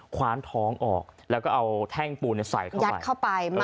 คว้านท้องออกแล้วก็เอาแท่งปูนใส่เข้าไปยัดเข้าไป